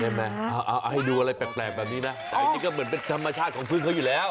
ให้ดูอะไรแปลกแบบนี้ไหมแต่อันนี้ก็เหมือนเป็นธรรมชาติของพึ่งเขาอยู่แล้ว